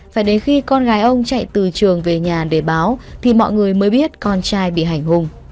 phải đến khi con gái ông chạy từ trường về nhà để báo thì mọi người mới biết con trai bị hành hùng